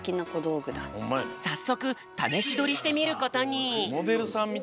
さっそくためしどりしてみることに。